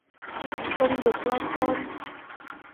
Không được lon ton